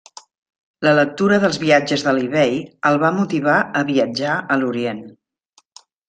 La lectura dels viatges d'Alí Bei el va motivar a viatjar a l'Orient.